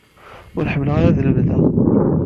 Ur ḥemmleɣ ara ad lemdeɣ.